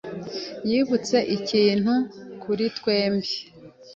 yibutse ikintugh, kuri twembi.